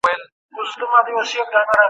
که په تعلیم کې بریا وي، نو ناهیلۍ نه وي.